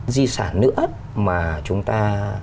di sản nữa mà chúng ta